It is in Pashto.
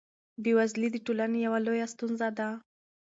بېوزلي د ټولنې یوه لویه ستونزه ده.